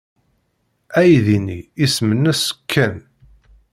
Aydi-nni isem-nnes Ken.